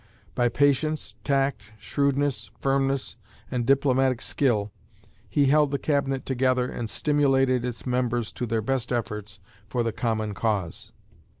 By patience, tact, shrewdness, firmness, and diplomatic skill, he held the Cabinet together and stimulated its members to their best efforts for the common cause.